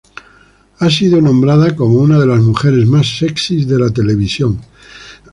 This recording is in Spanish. Ha sido nombrada como una de las mujeres más sexys de la televisión.